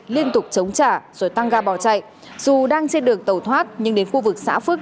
liên tục chống trả rồi tăng ga bỏ chạy dù đang trên đường tàu thoát nhưng đến khu vực xã phước